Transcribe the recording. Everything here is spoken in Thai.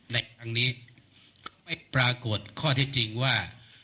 อันนี้ไม่ปรากฏข้อที่จริงว่า